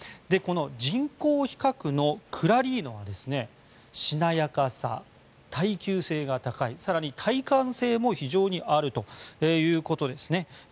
この人工皮革のクラリーノですがしなやかさ、耐久性が高い更に、耐寒性も非常にあるということですね。